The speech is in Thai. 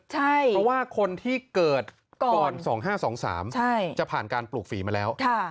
เพราะว่าคนที่เกิดก่อน๒๕๒๓จะผ่านการปลูกฝีมาแล้ว